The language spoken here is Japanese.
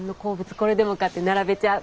これでもかって並べちゃう。